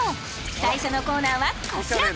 最初のコーナーはこちら！